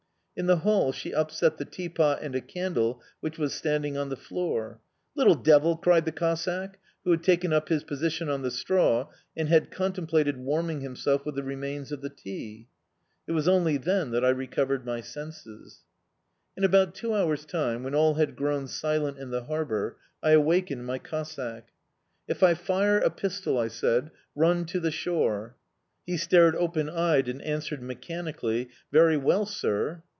In the hall she upset the teapot and a candle which was standing on the floor. "Little devil!" cried the Cossack, who had taken up his position on the straw and had contemplated warming himself with the remains of the tea. It was only then that I recovered my senses. In about two hours' time, when all had grown silent in the harbour, I awakened my Cossack. "If I fire a pistol," I said, "run to the shore." He stared open eyed and answered mechanically: "Very well, sir."